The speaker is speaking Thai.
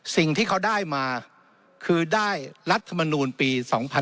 สิ่งที่เขาได้มาคือได้รัฐมนูลปี๒๕๖๒